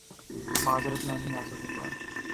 معذرت میں نہیں آسکوں گا